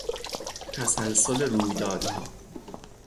تسلسل رویدادها